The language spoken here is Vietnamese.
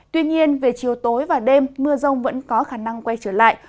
tuy nhiên về chiều tối và đêm mưa rông vẫn có khả năng quay trở lại